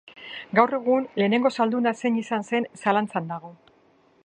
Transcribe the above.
Gaur egun, lehenengo zalduna zein izan zen zalantzan dago.